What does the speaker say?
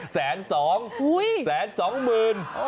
แสนสองแสนสองหมื่น